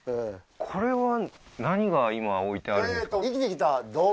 これは何が今置いてあるんですか？